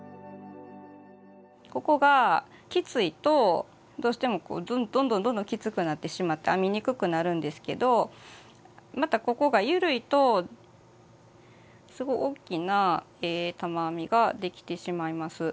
ここがきついとどうしてもどんどんどんどんきつくなってしまって編みにくくなるんですけどまたここが緩いとすごい大きな玉編みができてしまいます。